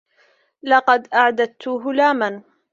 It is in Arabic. لقد أعددت هلاما.